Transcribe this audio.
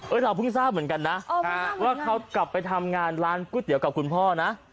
เออเราเพิ่งทราบเหมือนกันนะเออเพิ่งทราบเหมือนกันว่าเขากลับไปทำงานร้านก๋วยเตี๋ยวกับคุณพ่อนะ